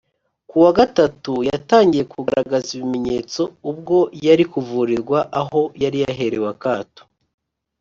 Ku wa gatatu yatangiye kugaragaza ibimenyetso ubwo yari kuvurirwa aho yari yaherewe akato